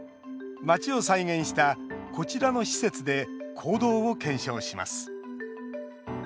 街を再現した、こちらの施設で行動を検証します。